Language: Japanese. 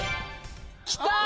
きた！